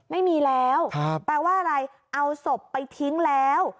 ไม่มีแล้วแปลว่าอะไรเอาศพไปทิ้งแล้ว